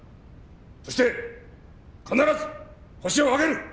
そして必ずホシを挙げる！